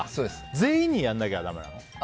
全員にやらなきゃだめなの？